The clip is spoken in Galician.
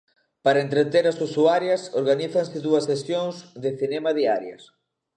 Para entreter as usuarias organízanse dúas sesións de cinema diarias.